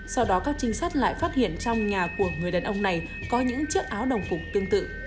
sau đó các trinh sát lại phát hiện trong nhà của người đàn ông này có những chiếc áo đồng phục tương tự